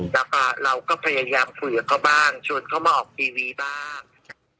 แล้วก็เราก็พยายามคุยกับเขาบ้างชวนเขามาออกทีวีบ้าง